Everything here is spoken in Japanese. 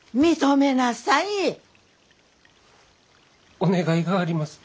お願いがあります。